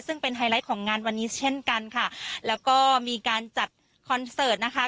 ซึ่งเป็นไฮไลท์ของงานวันนี้เช่นกันค่ะแล้วก็มีการจัดคอนเสิร์ตนะคะ